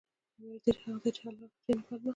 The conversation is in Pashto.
مدیر هغه دی چې حل لارې لټوي، نه پلمه